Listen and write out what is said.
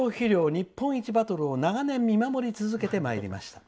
日本一バトルを長年、見守り続けてまいりました。